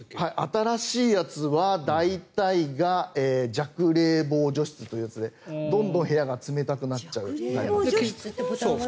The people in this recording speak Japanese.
新しいやつは大体が弱冷房除湿というやつでどんどん部屋が冷たくなっちゃうタイプ。